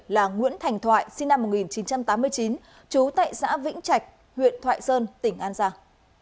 là nguyễn thành thoại sinh năm một nghìn chín trăm tám mươi chín trú tại xã vĩnh trạch huyện thoại sơn tỉnh an giang